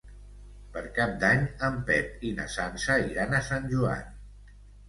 Per Cap d'Any en Pep i na Sança iran a Sant Joan.